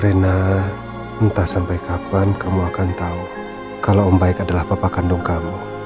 reina entah sampai kapan kamu akan tahu kalau mba eka adalah papa kandung kamu